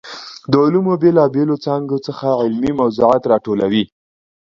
د علومو بېلا بېلو څانګو څخه علمي موضوعات راټولوي.